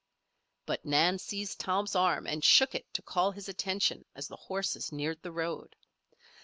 But Nan seized Tom's arm and shook it to call his attention as the horses neared the road.